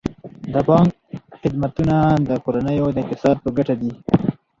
د بانک خدمتونه د کورنیو د اقتصاد په ګټه دي.